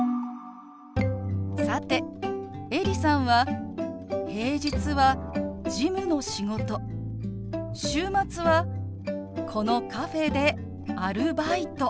さてエリさんは平日は事務の仕事週末はこのカフェでアルバイト。